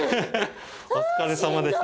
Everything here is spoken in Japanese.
お疲れさまでした。